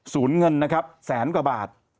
เงินนะครับแสนกว่าบาท